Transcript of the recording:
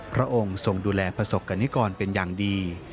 พระองค์ทรงดูแลประสบกรณิกรเป็นอย่างดี